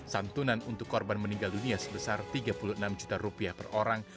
santunan untuk korban meninggal dunia sebesar tiga puluh enam juta rupiah per orang